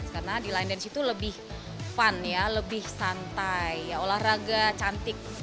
karena di line dance itu lebih fun ya lebih santai olahraga cantik